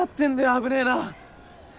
危ねぇな。